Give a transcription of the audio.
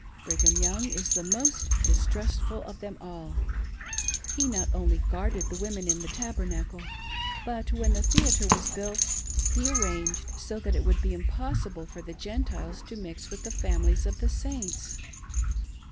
Brigham Young is the most distrustful of them all. He not only guarded the women in the Tabernacle, but when the theatre was built, he arranged so that it would be impossible for Gentiles to mix with the famiUes of the Saints.